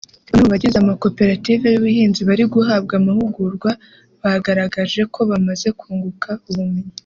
Bamwe mu bagize amakoperative y’ubuhinzi bari guhabwa amahugurwa bagaragaje ko bamaze kunguka ubumenyi